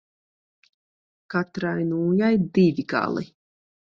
Katrai nūjai divi gali.